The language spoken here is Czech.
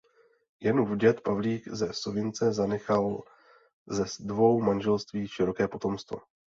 Janův děd Pavlík ze Sovince zanechal ze dvou manželství široké potomstvo.